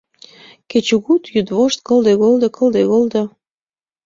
Кечыгут-йӱдвошт — кылде-голдо, кылде-голдо.